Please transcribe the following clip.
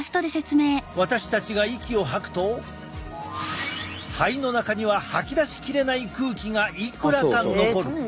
私たちが息を吐くと肺の中には吐き出し切れない空気がいくらか残る。